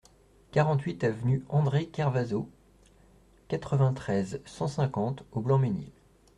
quarante-huit avenue André Kervazo, quatre-vingt-treize, cent cinquante au Blanc-Mesnil